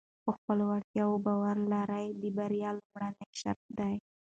په خپلو وړتیاو باور لرل د بریا لومړنی شرط دی.